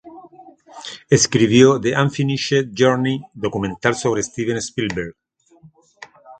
Escribió "The Unfinished Journey", documental sobre Steven Spielberg.